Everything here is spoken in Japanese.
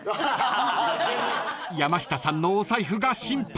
［山下さんのお財布が心配］